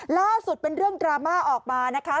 ล่าสุดเป็นเรื่องดราม่าออกมานะคะ